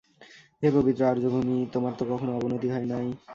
হে পবিত্র আর্যভূমি, তোমার তো কখনও অবনতি হয় নাই।